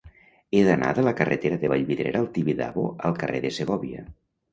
He d'anar de la carretera de Vallvidrera al Tibidabo al carrer de Segòvia.